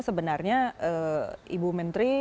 sebenarnya ibu menteri